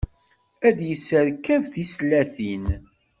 Ad yesserkeb tislatin.